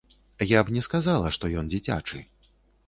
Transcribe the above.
Я б не сказала, што ён дзіцячы.